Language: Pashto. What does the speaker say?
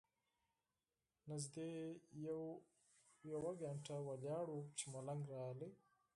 نږدې یو ساعت ولاړ وو چې ملنګ راغی.